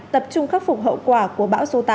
tập trung khắc phục hậu quả của bão số tám